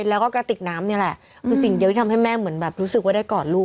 แล้วก็กระติกน้ำนี่แหละคือสิ่งเดียวที่ทำให้แม่เหมือนแบบรู้สึกว่าได้กอดลูก